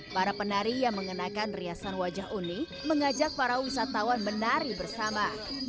para penari yang mengenakan riasan wajah unik mengajak para wisatawan menari bersama